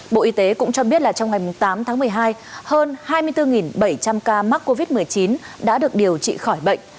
bộ y tế cũng cho biết là trong ngày tám tháng một mươi hai hơn hai mươi bốn bảy trăm linh ca mắc covid một mươi chín đã được điều trị khỏi bệnh